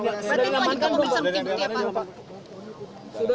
berarti pak juga mau bisa ngebutin bukti apa